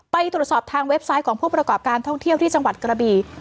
ไปตรวจสอบทางเว็บไซต์ของผู้ประกอบการท่องเที่ยวที่จังหวัดกระบี